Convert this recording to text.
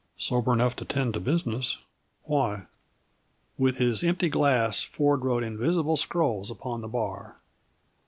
"Sober enough to tend to business; why?" With his empty glass Ford wrote invisible scrolls upon the bar.